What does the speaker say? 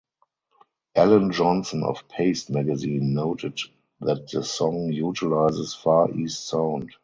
Ellen Johnson of "Paste" magazine noted that the song utilizes Far East sound.